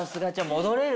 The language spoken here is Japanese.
戻れる？